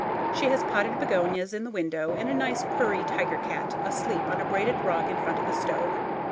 She has potted begonias in the window and a nice purry tiger cat asleep on a braided rug in front of the stove.